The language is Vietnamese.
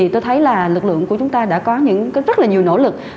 tôi thấy lực lượng của chúng ta đã có rất nhiều nỗ lực